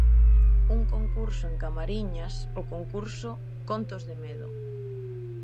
Un concurso en Camariñas o concurso 'contos de medo!